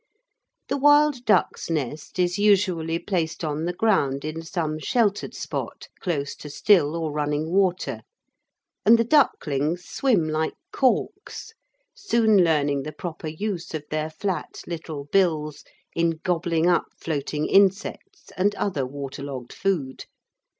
The wild duck's nest is usually placed on the ground in some sheltered spot close to still or running water, and the ducklings swim like corks, soon learning the proper use of their flat little bills in gobbling up floating insects and other waterlogged food.